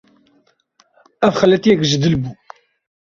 Ev xeletiyek ji dil bû.